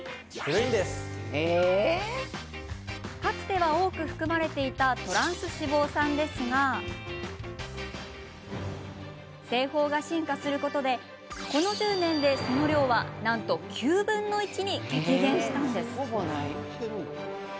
かつては多く含まれていたトランス脂肪酸ですが製法が進化することでこの１０年でなんとその量は９分の１に激減していたんです。